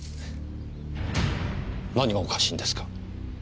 何がおかしいんですか？